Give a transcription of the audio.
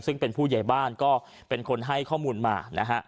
ซึ่งเป็นผู้ใหญ่บ้านก็เป็นคนให้ข้อมูลมานะฮะ